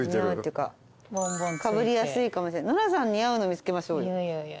かぶりやすいかもノラさん似合うの見つけましょうよ。